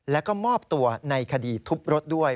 แล้วก็มอบตัวในคดีทุบรถด้วย